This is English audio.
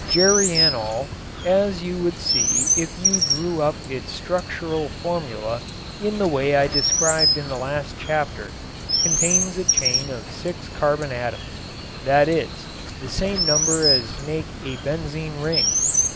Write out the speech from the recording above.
Geraniol, as you would see if you drew up its structural formula in the way I described in the last chapter, contains a chain of six carbon atoms, that is, the same number as make a benzene ring.